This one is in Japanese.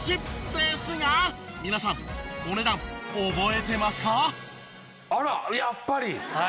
ですが皆さんお値段覚えてますか？